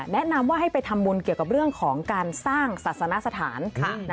แนะนำว่าให้ไปทำบุญเกี่ยวกับเรื่องของการสร้างศาสนสถาน